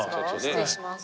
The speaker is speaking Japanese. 失礼します。